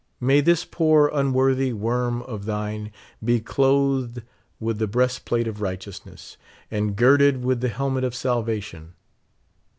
May this poor unworthy worm of thine be clothed with the breast plate of righteousness, and girded with the helmet of salvation.